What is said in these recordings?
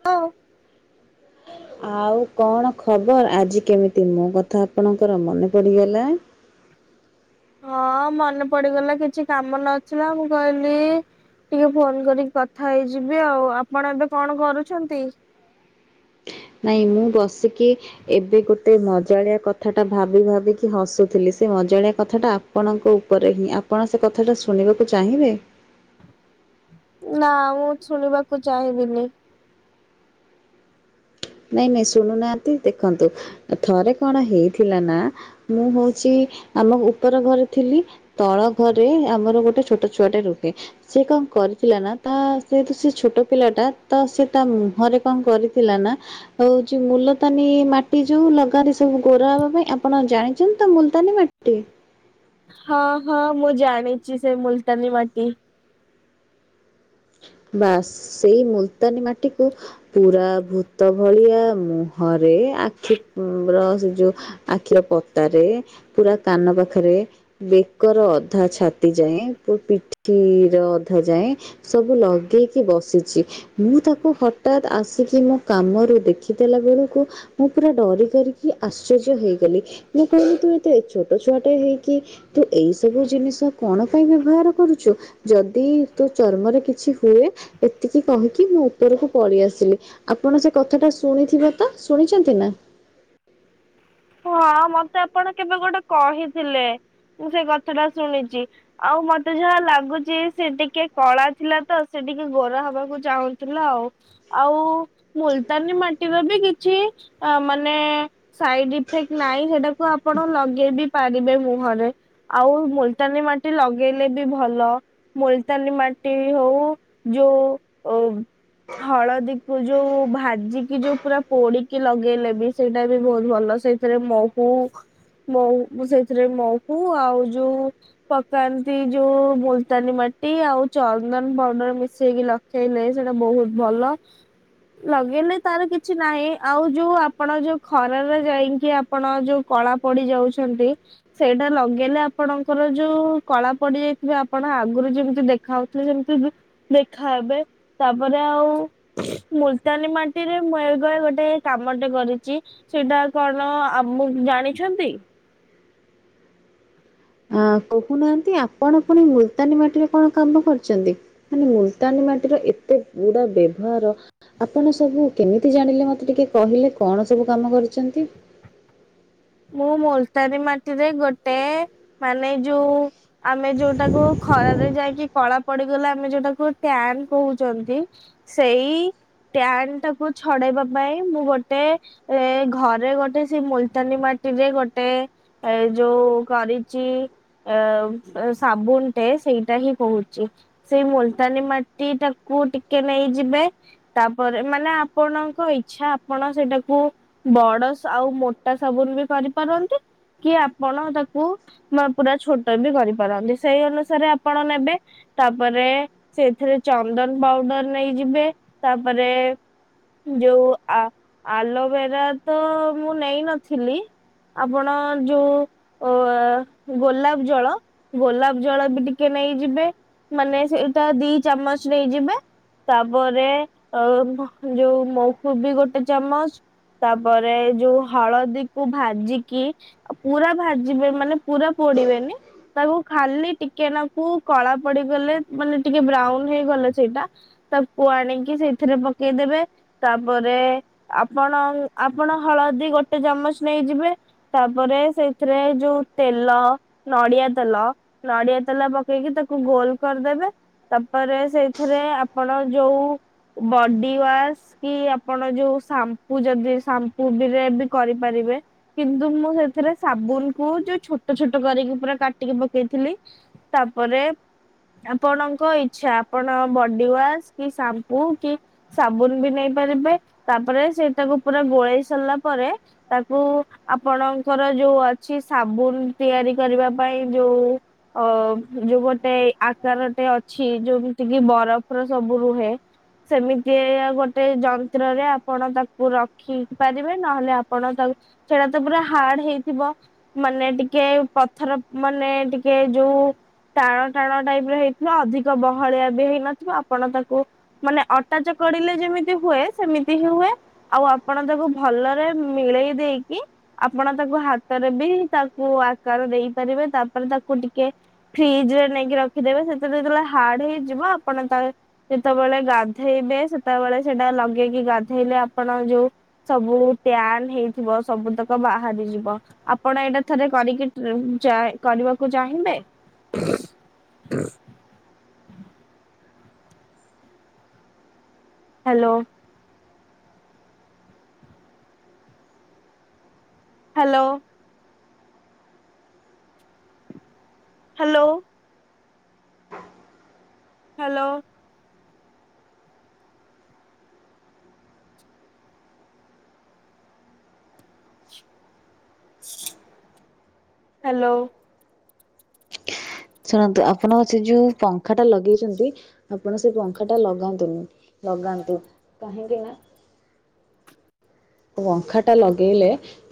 [unintelligible] ଆଉ କଣ ଖବର ଆଜି କେମିତି ମୋ କଥା ଆପଣଙ୍କର ମନେ ପଡିଗଲା। ହଁ ମନେ ପଡିଗଲା କିଛି କାମ ନଥିଲା ମୁଁ କହିଲି ଟିକେ ଫୋନ କରିକି କଥା ହେଇଯିବି ଆଉ ଆପଣ ଏବେ କଣ କରୁଛନ୍ତି? ନାଇଁ ମୁଁ ବସିକି ଏବେ ଗୋଟେ ମଜାଳିଆ କଥା ଟା ଭାବି ଭାବିକି ହସୁଥିଲି ସେ ମଜାଳିଆ କଥାଟା ଆ ଆପଣଙ୍କ ଉପରେ ହିଁ ଆପଣ ସେ କଥାଟା ଶୁଣିବାକୁ ଚାହିଁବେ? ନା ମୁଁ ଶୁଣିବାକୁ ଚାହିଁବିନି। ନାଇଁ ନାଇଁ ଶୁଣୁନାହାନ୍ତି ଦେଖନ୍ତୁ ଥରେ କଣ ହେଇଥିଲା ନା ମୁଁ ହଉଛି ଆମ ଉପର ଘରେ ଥିଲି। ତଳ ଘରେ ଆମର ଗୋଟେ ଛୋଟ ଛୁଆ ଟେ ରୁହେ। ସେ କଣ କରିଥିଲା ନା ତା ସେଏତୁ ସେ ଛୋଟ ପିଲା ଟା ତ ସେ ତା ମୁହଁରେ କଣ କରିଥିଲା ନା ହଉଛି ମୁଲତାନୀ ମାଟି ଯୋଉ ଲଗାନ୍ତି ସବୁ ଗୋରା ହବା ପାଇଁ ଆପଣ ଜାଣି ତ ମୁଲତାନୀ ମାଟି। ହଁ ହଁ ମୁଁ ଜାଣିଛି ସେ ମୁଲତାନୀ ମାଟି। ବାସ୍ ସେଇ ମୁଲତାନୀ ମାଟିକୁ ପୁରା ଭୂତ ଭଳିଆ ମୁହଁରେ ଆଖି ର ସେ ଯୋଉ ଆଖିର ପତାରେ ପୁରା କାନ ପାଖରେ ବେକର ଅଧା ଛାତି ଯାଏଁ ପ ପିଠିର ଅଧା ଯାଏଁ ସବୁ ଲଗେଇକି ବସିଛି। ମୁଁ ତାକୁ ହଠାତ୍ ଆସିକି ମୋ କାମରୁ ଦେଖିଦେଲା ବେଳକୁ ମୁଁ ପୁରା ଡରି କରିକି ଆଶ୍ଚର୍ଯ୍ୟ ହେଇଗଲି, ମୁଁ କହିଲି ତୁ ଏତେ ଛୋଟ ଛୁଆଟା ହେଇକି ତୁ ଏଇ ସବୁ ଜିନିଷ କଣ ପାଇଁ ବ୍ୟବହାର କରୁଛୁ, ଯଦି ତୁ ଚର୍ମରେ କିଛି ହୁଏ, ଏତିକି କହିକି ମୁଁ ଉପରକୁ ପଳେଇ ଆସିଲି। ଆପଣ ସେ କଥାଟା ଶୁଣିଥିବେ ତ ଶୁଣିଛନ୍ତି ନା? ହଁ ମତେ ଆପଣ କେବେ ଗୋଟେ କହିଥିଲେ, ମୁଁ ସେ କଥା ଟା ଶୁଣିଛି। ଆଉ ମତେ ଯାହା ଲାଗୁଛି ସେ ଟିକେ କଳା ଥିଲା ତ ସେ ଟିକେ ଗୋରା ହବାକୁ ଚାହୁଁଥିଲା ଆଉ। ଆଉ ମୁଲତାନୀ ମାଟିର ବି କିଛି ମାନେ ସାଇଡ ଇଫେକ୍ଟ ନାଇଁ ସେଟାକୁ ଆପଣ ଲଗେଇ ବିି ପାରିବେ ମୁହଁରେ। ଆଉ ମୁଲତାନୀ ମାଟି ଲଗେଇଲେ ବି ଭଲ। ମୁଲତାନି ମାଟି ହଉ, ଯୋଉ ଅ ହଳଦୀକୁୁ ଯୋଉ ଭାଜିକି ଯୋଉ ପୁରା ପୋଡିକି ଲଗେଇଲେ ବି ସେଇଟା ବି ବହୁତ ଭଲ ସେଇ ସେଥିରେ ମହୁହୁ ସେଥିରେ ମହୁ ଆଉ ଯୋଉ ପକାନ୍ତି ଯୋଉ ମୁଲତାନୀ ମାଟି ଆଉ ଚନ୍ଦନ ପାଉଡର ମିଶେଇକି ଲ ନାଇ ନାହିଁ ସେଇଟା ବହୁତ ଭଲ। ଲଗେଇଲେ ତାର କିଛି ନାହିଁ, ଆଉ ଯୋଉ ଆପଣ ଯୋଉ ଖରାରେ ଯାଇ କି ଆପଣ ଯୋଉ କଳା ପଡି ଯାଉଛନ୍ତି? ସେଇଟା ଲଗେଇଲେ ଆପଣଙ୍କର ଯୋଉ କଳା ପଡିଯାଇଥିବ ଆପଣ ଆଗରୁ ଯେମିତି ଦେଖାଯାଉ ଯେମତି ଦେଖାହେବେ। ତାପରେ ଆଉ, ମୁଲତାନୀ ମାଟିରେ ମୁଁ ଏବେ ଗୋଟେ କାମଟେ କରିଛି। ସେଇଟା କଣ ଆମ ଜାଣିଛନ୍ତି? ଆ କହୁନାହାନ୍ତି ଆପଣ ପୁଣି ମୁଲତାନୀ ମାଟିରେ କଣ କାମ କରୁଛନ୍ତି? ମାନେ ମୁଲତାନୀ ମାଟିର ଏତେ ଗୁଡ ବ୍ୟବହାର ଆପଣ ସବୁ କେମିତି ଜାଣିଲେ ମତେ ଟିକେ କହିଲେ କଣ ସବୁ କାମ କରିଛନ୍ତି? ମୁଁ ମୁଲତାନି ମାଟିରେ ଗୋଟେ, ମାନେ ଯୋଉ ଆମେ ଯୋଉଟାକୁ ଖରାରେ ଯାଇକି କଳା ପଡିଗଲେ ଆମେ ଯୋଉଟାକୁ ଟ୍ୟାନ କହୁଛନ୍ତି ସେଇ ଟ୍ୟାନ ଟାକୁୁ ଛଡେଇବା ପାଇଁ ମୁଁ ଗୋଟେ ଏ ଘରେ ଗୋଟେ ସେ ମୁଲତାନୀ ମା ରେ ଗୋଟେ ଏ ଯୋଉ କରିଛି। ଅ ସାବୁନ ଟେ ସେଇଟା ହିଁ କହୁଛି। ସେଇ ମୁଲତାନୀ ମାଟି ଟାକୁ ଟିକେ ନେଇଯିବେ ତାପରେ ମାନେ ଆପଣଙ୍କ ଇଛା ଆପଣ ସେଇଟାକୁ ବଡ ଆଉ ମୋଟା ସାବୁନ ବି କରିପାରନ୍ତି। କି ଆପଣ ତାକୁ ପୁରା ଛୋଟ ବି କରିପାରନ୍ତି ସେଇ ଅନୁସାରେ ଆପଣ ନେବେ। ତାପରେ ସେଥିରେ ଚନ୍ଦନ ପାଉଡର ନେଇଯିବେ, ତାପରେ ଯୋଉ ଆ ଆଲୋଭେରା ତ ମୁଁ ନେଇନଥିଲି। ଆପଣ ଯୋଉ ଅ ଗୋଲାପ ଜଳ ଗୋଲାପ ଜଳ ବି ଟିକେ ନେଇଯିବେ ମାନେ ସେଇଟା ଦି ଚାମଚ ନେଇଯିବେ। ତାପରେ ଅ ଯୋଉ ମହୁ ବି ଗୋଟେ ଚାମଚ ତାପରେ ଯୋଉ ହଳଦୀ କୁ ଭାଜିକି, ପୁରା ଭାଜିବେ, ମାନେ ପୁରା ପୋଡିବେନି। ତାକୁ ଖାଲି ଟିକେ ନାକୁ କଳା ପଡିଗଲେ, ମାନେ ଟିକେ ବ୍ରାଉନ ହେଇଗଲେ ସେଇଟା ତାକୁ ଆଣିକି ସେଇଥିରେ ପକେଇଦେବେ। ତାପରେ ଆପଣ ଆପଣ ହଳଦୀ ଗୋଟେ ଚାମଚ ନେଇଯିବେ ତାପରେ ସେଥିରେ ଯୋଉ ତେଲ, ନଡିଆ ତେଲ ନଡିଆ ତେଲ ପକେଇକି ତାକୁ ଗୋଲ କରିଦେବେ। ତାପରେ ସେଇଥିରେ ଆପଣ ଯୋଉ ବଡି ୱାଶ କି ଆପଣ ଯୋଉ ସାମ୍ପୁ ଯଦି ସାମ୍ପୁ ବିରେ ବି କରିପାରିବେ। କିନ୍ତୁ ମୁଁ ସେଥିରେ ସାବୁନ କୁ ଯୋଉ ଛୋଟ ଛୋଟ କରିକି ପୁରା କାଟିକି ପକେଇଥିଲି। ତାପରେ ଆପଣଙ୍କ ଇଛା ଆପଣ ବଡିୱାସ କି ସାମ୍ପୁ କି ସାବୁନ ବି ନେଇ ପାରିବେ ତାପରେ ସେଇଟାକୁ ପୁରା ଗୋଳେଇ ସାରିଲା ପରେ ମୁ ଆପଣଙ୍କର ଯୋଉ ଅଛି ସାବୁନ ତିଆରି କରିବା ପାଇଁ ଯୋଉ ଅ ଯୋଉ ଗୋଟେ ଆକାରଟେ ଅଛି ଯୋଉମିତିକି ବରଫ ର ସବୁ ରୁହେ ସେମିତି ଗୋଟେ ଯନ୍ତ୍ରରେ ଆପଣ ତାକୁ ରଖି ପାରିବେ ନହେଲେ ଆପଣ ତାକୁ ସେଟା ତ ପୁରା ହାର୍ଡ ହେଇଥିବ। ମାନେ ଟିକେ ପଥର ମାନେ ଟିକେ ଯୋଉ ଟାଣ ଟାଣ ଟାଇପରେ ହେଇଥିବା ଅଧିକ ବହଳିଆ ବି ହେଇନଥିବ ଆପଣ ତାକୁ ମାନେ ଅଟା ଚକଡିଲେ ଯେମିତି ହୁଏ ସେମିତି ହିଁ ହୁଏ ଆଉ ଆପଣ ତାକୁ ଭଲରେ ମିଳେଇ ଦେଇ ଆପଣ ତାକୁ ହାତରେ ବି ତାକୁ ଆକାର ଦେଇପାରିବେ ତାପରେ ତାକୁ ଟିକେ ଫ୍ରିଜ ରେ ନେଇକି ରଖିଦେବେ ସେତା ଯେତେବେଳେ ହାର୍ଡ ହେଇଯିବ ଆପଣ ତା ଯେତେବେଳେ ଗାଧେଇବେ ସେତେବେଳେ ସେଟା ଲଗେଇକି ଗାଧେଇଲେ ଆପଣ ଯୋଉ ସବୁ ଟ୍ୟାାନ ହେଇଥିବ ସବୁତକ ବାହାରିଯିବ। ଆପଣ ଏଇଟା ଥରେ କରିକି କରିବାକୁ ଚାହିଁବେ? [inaudible] Hello. Hello. Hello. Hello. Hello. Hello ଶୁଣନ୍ତୁ ଆପଣଙ୍କ ସେ ଯୋଉ ପ ପଙ୍ଖା ଟା ଲଗେଇଛନ୍ତି ଆପଣ ସେ ପଙ୍ଖା ଟା ଲଗାନ୍ତୁନି ଲଗାନ୍ତୁ କାହିଁକି ନା ପଙ୍ଖା ଟା ଲଗେଇଲେ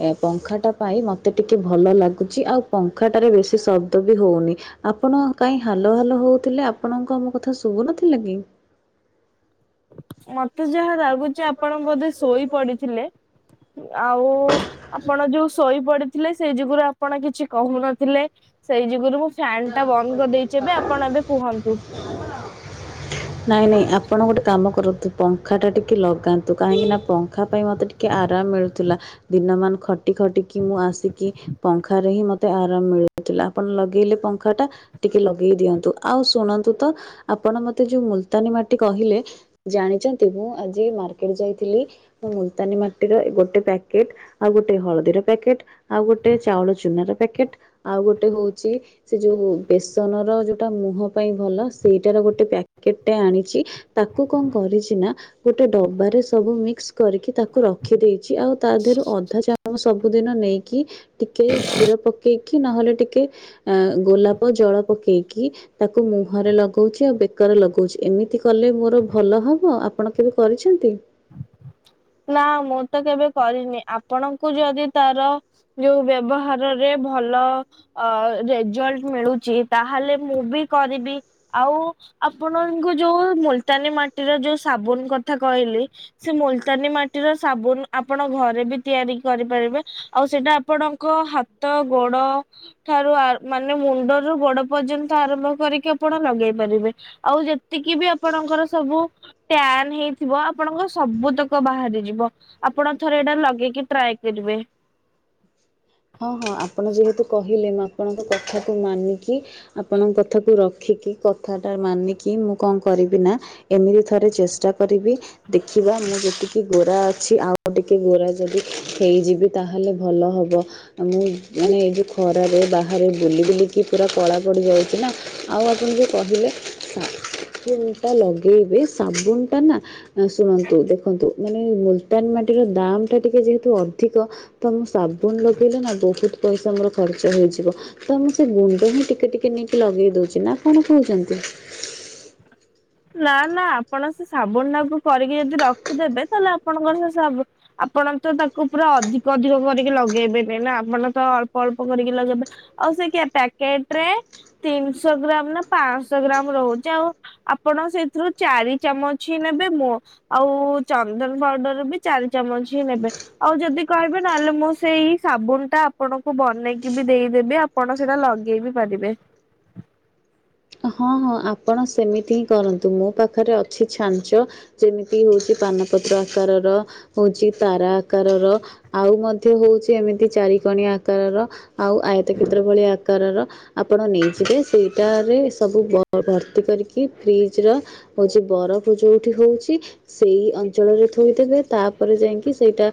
ଏ ପଙ୍ଖା ଟା ପାଇଁ ମତେ ଟିକେ ଭଲ ଲାଗୁଛି ଆଉ ପଙ୍ଖାଟାରେ ବେଶୀ ଶବ୍ଦ ବି ହଉନି ଆପଣ କାହିଁ ହାଲୋ ହାଲୋ ହଉଥିଲେ ଆପଣଙ୍କ ମୋ କଥା ଶୁଭୁନଥିଲା କି? ମତେ ଯାହା ଲାଗୁଛି ଆପଣ ବୋଧେ ଶୋଇ ପଡିଥିଲେ। ଆଉ ଆପଣ ଯୋଉ ଶୋଇପଡିଥିଲେ ସେଇ ଯୁଗୁରୁ ଆପଣ କିଛି କହୁନଥିଲେ ସେଇ ଯୁଗୁରୁ ମୁଁ ଫ୍ୟାନ୍ ଟା ବନ୍ଦ କରିଦେଇଛି ଏବେ ଆପଣ ଏବେ କୁହନ୍ତୁ। [inaudible] ନାଇଁ ନାଇଁ ଆପଣ ଗୋଟେ କାମ କରନ୍ତୁ ପଙ୍ଖାଟା ଟିକେ ଲଗାନ୍ତୁ କାହିଁକି ନା ପଙ୍ଖା ପାଇଁ ମୋତେ ଟି ଟିକେ ଆରାମ ମିଳୁଥିଲା ଦିନମାନ ଖଟି ଖଟିକି ମୁଁ ଆସିକି ପଙ୍ଖାରେ ହିଁ ମତେ ଆରାମ ମିଳୁଥିଲା ଆପଣ ଲଗେଇଲେ। ପଙ୍ଖା ଟା ଟିକେ ଲଗେଇ ଦିଅନ୍ତୁ ଆଉ ଶୁଣନ୍ତୁ ତ ଆପଣ ମତେ ଯୋଉ ମୁଲତାନୀ ମାଟି କହିଲେ ଜାଣିଛନ୍ତି ମୁଁ ଆଜି ମାର୍କେଟ ଯାଇଥିଲି। ମୁଲତାନୀ ମାଟିର ଗୋଟେ ପ୍ୟାକେଟ ଆଉ ଗୋଟେ ହଳଦୀର ପ୍ୟାକେଟ ଆଉ ଗୋଟେ ଚାଉଳ ଚୁନାର ପ୍ୟାକେଟ ଆଉ ଗୋଟେ ହଉଛି ସେ ଯେଉଁ ବେସନର ଯେଉଁଟା ମୁହଁ ପାଇଁ ଭଲ ସେଇଟାର ଗୋଟେ ପ୍ୟାକେଟଟା ଆଣିଛି। ତାକୁ କଣ କରିଛି ନା ଗୋଟେ ଡବାରେ ସବୁ ମିକ୍ସ କରିକି ତାକୁ ରଖ ରଖିଦଛି ଆଉ ତା ଦେହରୁ ଅଧା ଚାମଚ ସବୁଦିନ ନେଇକି ଟିକେ କ୍ଷୀର ପକେଇକି ନହେଲେ ଟିକେ ଅ ଗୋଲାପ ଜଳ ପକେଇକି ତାକୁ ମୁହଁରେ ଲଗଉଛି ଆଉ ବେକାର ଲଗଉଛି ଏମିତି କଲେ ମୋର ଭଲ ହବ ଆପଣ କେବେ କରିଛନ୍ତି? ନା ମୁଁ ତ କେବେ କରିନି ଆପଣଙ୍କୁ ଯଦି ତାର ଯୋଉ ବ୍ୟବହାରରେ ଭଲ ଅ ରେଜଲ୍ଟ ମିଳୁଛି ତାହେଲେ ମୁଁ ବି କରିବି ଆଉ ଆପଣଙ୍କୁ ଯୋଉ ମୁଲତାନୀ ମାଟିର ଯୋଉ ସାବୁନ କଥା କହିଲେ ସେ ମୁଲ ତାନୀ ମାଟିର ସାବୁନ ଆପଣ ଘରେ ବି ତିଆରି କରିପାରିବେ ଆଉ ସେଇଟା ଆପଣଙ୍କ ହା ହାତ ଗୋଡ ଠାରୁ ମାନେ ମୁଣ୍ଡରୁ ଗୋଡ ପର୍ଯ୍ୟନ୍ତ ଆରମ୍ଭ କରିକି ଆପଣ ଲଗେଇ ପାରିବେ। ଆଉ ଯେତିକି ବି ଆପଣଙ୍କର ସବୁ ଟ୍ୟାନ ହେଇଥିବ ଆପଣଙ୍କର ସବୁ ତ ବାହାରି ଯିବ ଆପଣ ଥରେ ଏଇଟା ଲଗେଇକି ଟ୍ରାଏ କରିବେ। ହଁ ହଁ ଆପଣ ଯେହେତୁ କହିଲେ ମୁଁ ଆପଣଙ୍କ କଥାକୁ ମାନିକି ଆପଣଙ୍କ କଥାକୁ ରଖିକି କଥାଟା ମାନିକି ମୁଁ କଣ କରିବି ନା ଏମିତି ଥରେ ଚେଷ୍ଟା କରିବି। ଦେଖିବା ମୁଁ ଯେତିକି ଗୋରା ଅଛି ଆଉ ଟିକେ ଗୋରା ଯଦି ହେଇଯିବି। ତାହେଲେ ଭଲ ହବ। ଆଉ ମୁଁ ମାନେ ଏଇ ଯେଉଁ ଖରାରେ ବାହାରେ ବୁଲି ବୁଲିକି ପୁରା କଳାକଡ଼ି ଯାଉଛି ନା। ଆଉ ଆପଣ ଯେଉ କହିଲେ ସାବୁନଟା ଲଗେଇବେ ସାବୁନଟା ନା ଶୁଣନ୍ତୁ ଦେଖନ୍ତୁ ମାନେ ମୁଲତାନ ମାଟିର ଦାମ ଟା ଟିକେ ଯେହେତୁ ଅଧିକ ତ ମୁଁ ସାବୁନ ଲଗେଇଲେ ନା ବହୁତ ପଇସା ମୋର ଖର୍ଚ୍ଚ ହେଇଯିବ। ତ ମୁଁ ସେ ଗୁଣ୍ଡ ହିଁ ଟିକେ ଟିକେ ନେଇକି ଲଗେଇ ଦଉଛି ନା କଣ କହୁଛନ୍ତି? ନା ନା ଆପଣ ସେ ସାବୁନ ଟାକୁ କରିକି ଯଦି ରଖିଦେବେ ତାହେଲେ ଆପଣଙ୍କର ସେ ସାବୁ ଆପଣ ତ ତାକୁ ପୁରା ଅଧିକ ଅଧିକ କରିକି ଲଗେଇବେନି ନା ଆପଣ ତ ଅଳ୍ପ ଅଳ୍ପ କରିକି ଲଗେଇବେ ଆଉ ସେ କିି ପ୍ୟାକେଟ ରେ ତିନିଶ ଗ୍ରାମ ନା ପାଞ୍ଚଶ ଗ୍ରାମ ରହୁଛି ଆଉ ଆପ ଆପଣ ସେଥିରୁ ଚାରି ଚାମଚଁ ନେବେ ମୋ ଆଉ ଚନ୍ଦନ ପାଉଡର ବି ଚାରି ଚାମଚ ହିଁ ନେବେ। ଆଉ ଯଦି କହିବେ ନହେଲେ ମୁଁ ସେଇଇ ସାବୁନ ଟା ଆପଣଙ୍କୁ ବନେଇକି ବି ଦେଇଦେବି ଅପ୍ ଆପଣ ସେଇଟା ଲଗେଇ ବିି ପାରିବେ। ହଁ ହଁ ଆପଣ ସେମିତି ହିଁ କରନ୍ତୁ ମୋ ପାଖରେ ଅଛି ଛାଞ୍ଛ ଯେମିତି ହଉଛି ପାନପତ୍ର ଆକାରର ହଉଛି ତାରା ଆକାରର ଆଉ ମଧ୍ୟ ହଉଛି ଏମିତି ଚାରିିକଣି ଆକାରର ଆଉ ଆୟତ କ୍ଷେତ୍ର ଭଳିଆ ଆକାରର ଆପଣ ନେଇଯିବେ ସେଇଟାରେ ସବୁ ଭର୍ତ୍ତି କରିକି ଫ୍ରିଜ ର ହଉଛି ବରଫ ଯୋଉଠି ହଉଛି ସେଇ ଅଞ୍ଚଳରେ ଥୋଇଦବେ ତାପରେ ଯାଇକି ସେଇଟା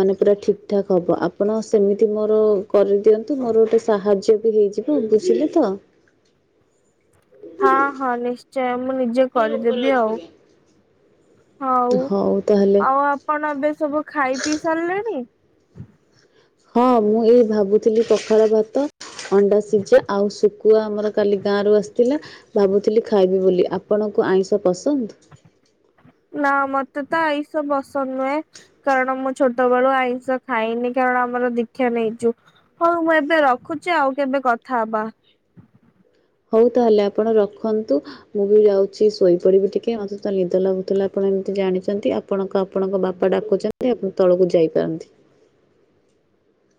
ମାନେ ପୁରା ଠିକ ଠାକ ହବ ଆପଣ ସେମିତି ମୋର କରିଦିଅନ୍ତୁ ମୋର ଗୋଟେ ସାହାଯ୍ୟ ବି ହେଇଯିବ ହଁ ବୁଝିଲି ତ। ହଁ ହଁ ନିଶ୍ଚୟ ମୁଁ ନିଜେ କରିଦେବି ଆଉ। ହଉ ଆଉ ଆପଣ ଏବେ ସବୁ ଖାଇ ପିଇ ସାରିଲେଣି? ହଁ ମୁଁ ଏଇ ଭାବୁଥିଲି ପଖାଳ ଭାତ ଅଣ୍ଡା ସିଝା ଆଉ ଶୁଖୁଆ ଆମର କାଲି ଗାଁରୁ ଆସିଥିଲା। ଭାବୁଥିଲି ଖାଇବି ବୋଲି ଆପଣଙ୍କୁ ଆଇଁଷ ପସନ୍ଦ? ନା ମତେ ତ ଏଇସବୁ ବସନ୍ଦ ନୁହେଁ। କାରଣ ମୁଁ ଛୋଟ ବେଳୁ ଆଇଷ ଖାଇନି କାରଣ ଆମର ଦୀକ୍ଷା ନେଇଛୁ। ହଁ ମୁଁ ଏବେ ରଖୁଚି ଆଉ କେବେ କଥା ହବା। ହଉ ତାହେଲେ ଆପଣ ରଖନ୍ତୁ। ମୁଁ ବି ଯାଉଛି ଶୋଇପଡିବି ଟିକେ ମତେ ତ ନିଦ ଲାଗୁଥିଲା ଆପଣ ତ ଜାଣିଚନ୍ତି। ଆପଣଙ୍କ ଆପଣଙ୍କ ବାପା ଡାକୁଚନ୍ତି ଆପଣ ତଳକୁ ଯାଇପାରନ୍ତି।